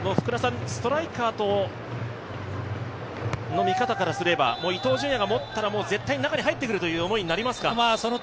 ストライカーの見方からすれば伊東純也が持ったら絶対に中に入ってくるという思いになりますか。